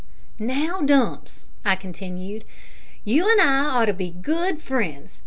"Now, Dumps," I continued, "you and I are to be good friends.